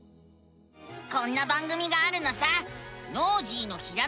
こんな番組があるのさ！